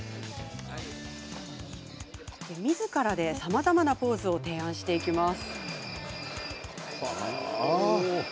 みずから、さまざまなポーズを提案していきます。